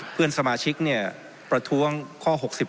เพื่อนสมาชิกประท้วงข้อ๖๑